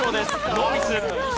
ノーミス。